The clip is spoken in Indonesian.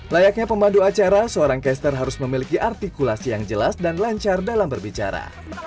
layaknya pemandu acara seorang caster harus memiliki artikulasi yang jelas dan lancar dalam berbicara